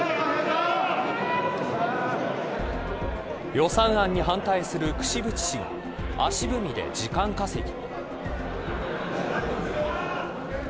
予算案に反対する櫛渕氏も足踏みで時間稼ぎ。